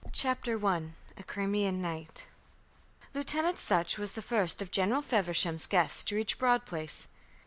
] CHAPTER I A CRIMEAN NIGHT Lieutenant Sutch was the first of General Feversham's guests to reach Broad Place.